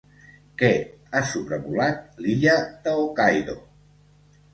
Què ha sobrevolat l'illa de Hokkaido?